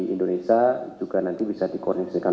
indonesia juga nanti bisa di koordinasikan